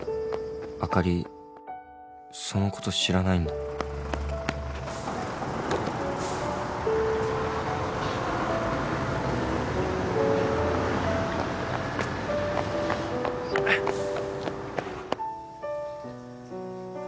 「あかりそのこと知らないんだ」・・